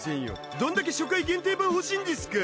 どんだけ初回限定版欲しいんですか！